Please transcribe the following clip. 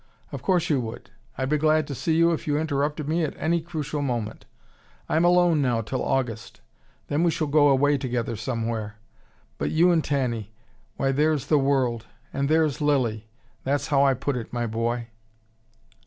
Of course you would. I'd be glad to see you if you interrupted me at any crucial moment. I am alone now till August. Then we shall go away together somewhere. But you and Tanny; why, there's the world, and there's Lilly: that's how I put it, my boy."